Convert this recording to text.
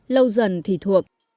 lâu dần thì thuộc